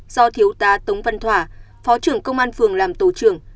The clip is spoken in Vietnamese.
do thiếu tá tống văn thỏa phó trưởng công an phường làm tổ trưởng